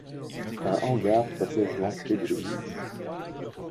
Un hangar protège l'entrée de l'église.